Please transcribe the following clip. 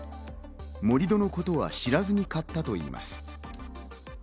盛り土のことは知らずに買ったといいます。